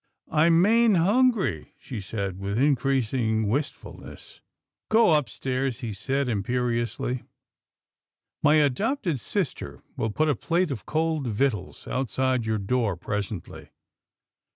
" I'm main hungry," she said with increased wist fulness. " Get upstairs," he said imperiously, " my adopted sister will put a plate of cold victuals outside your door presently."